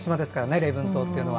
礼文島というのは。